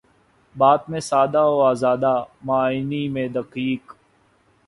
بات میں سادہ و آزادہ، معانی میں دقیق